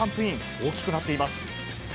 大きくなっています。